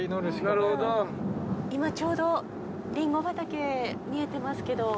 今ちょうどりんご畑見えてますけど。